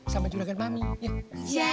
sama juragan mami ya